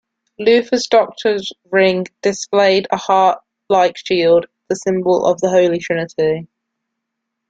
Luther's doctor's ring displayed a heartlike shield, the symbol of the Holy Trinity.